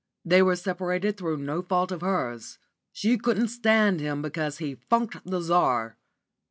They were separated through no fault of hers. She couldn't stand him because he funked the Czar.